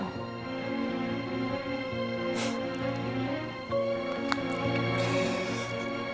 makasih ya sayang